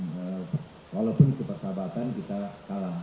dan walaupun itu persahabatan kita kalah